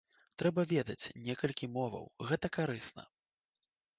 Трэба ведаць некалькі моваў, гэта карысна.